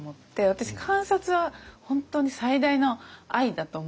私観察は本当に最大の愛だと思うんですよね。